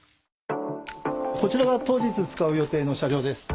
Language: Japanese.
こちらが当日使う予定の車両です。